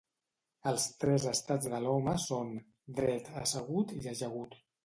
Els tres estats de l'home són: dret, assegut i ajagut.